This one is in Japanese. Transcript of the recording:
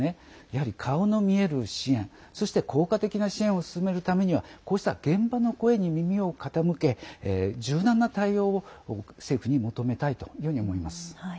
やはり顔の見える支援そして効果的な支援を進めるためにはこうした現場の声に耳を傾け柔軟な対応を政府に求めたいというように思います。